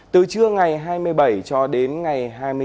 từ trưa ngày hai mươi bảy cho đến ngày hai mươi chín